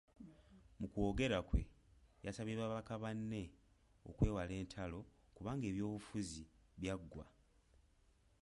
Mu kwogera kwe, yasabye babaka banne okwewala entalo kubanga ebyobufuzi byaggwa.